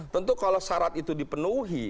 tentu kalau syarat itu dipenuhi